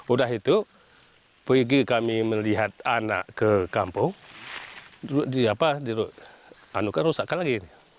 udah itu pergi kami melihat anak ke kampung di anukan rusak lagi